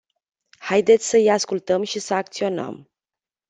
Haideți să îi ascultăm și să acționăm.